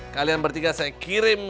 kalian bertiga saya kirim